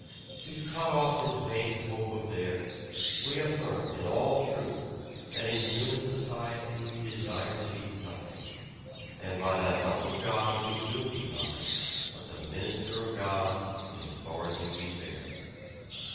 To cut off this vain hope of theirs, we affirm in all truth that in human society we desire to be nothing, and by the help of God we will be nothing, but the minister of God whose authority we bear.